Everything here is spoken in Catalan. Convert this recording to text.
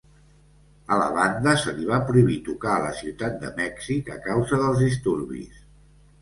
A la banda se li va prohibir tocar a la ciutat de Mèxic a causa dels disturbis.